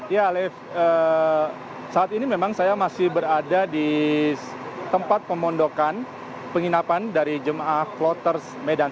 ya alif saat ini memang saya masih berada di tempat pemondokan penginapan dari jemaah kloters medan